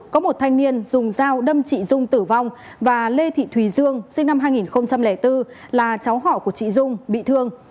có một thanh niên dùng dao đâm chị dung tử vong và lê thị thùy dương sinh năm hai nghìn bốn là cháu họ của chị dung bị thương